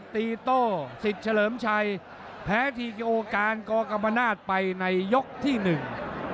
ตีโต้สิทธิ์เฉลิมชัยแพ้ทีกิโอการกกรรมนาศไปในยกที่หนึ่ง